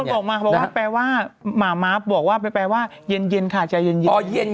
บอกมาเขาบอกว่าแปลว่าหมาม้าบอกว่าแปลว่าเย็นค่ะใจเย็น